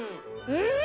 うん！